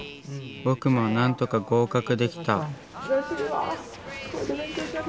僕も何とか合格できた。